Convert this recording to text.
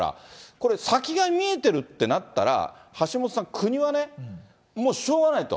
これ、先が見えてるってなったら、橋下さん、国はね、もうしょうがないと。